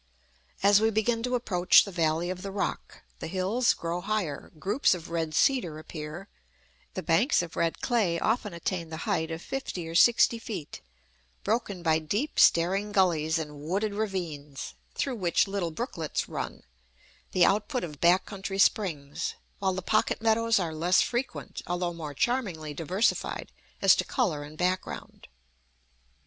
As we begin to approach the valley of the Rock, the hills grow higher, groups of red cedar appear, the banks of red clay often attain the height of fifty or sixty feet, broken by deep, staring gullies and wooded ravines, through which little brooklets run, the output of back country springs; while the pocket meadows are less frequent, although more charmingly diversified as to color and background.